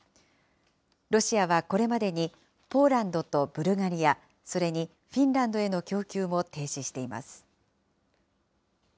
ロシアはこれまでにポーランドとブルガリア、それにフィンランドへの供給も停止しています。